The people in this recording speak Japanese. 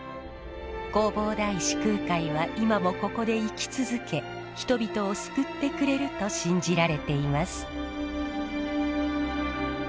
弘法大師空海は今もここで生き続け人々を救ってくれると信じられています。